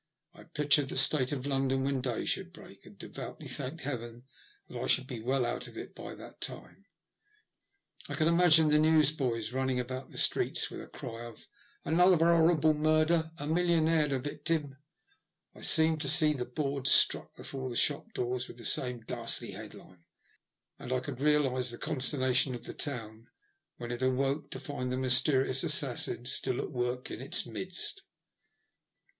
I pictured the state of London when day should break, and devoutly thanked Heaven that I should be well out of it by that time. I could imagine the newsboys running about the streets with cries of "Another 'orrible murder I A millionaire the victim." I seemed to see the boards stuck before shop doors with the same ghastly headline, and I could realise the consternation of the town, when it awoke to find the mysterious assassin still at work in its midst.